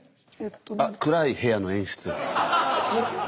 あ「暗い部屋の演出」です。